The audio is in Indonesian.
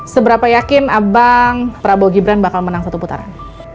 seberapa yakin abang prabowo gibran bakal menang satu putaran